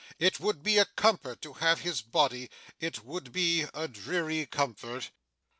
It would be a comfort to have his body; it would be a dreary comfort.